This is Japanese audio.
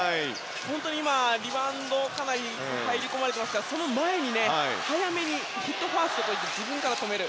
今、リバウンドかなり入り込まれていましたからその前に、早めにヒットファーストといって自分から止める。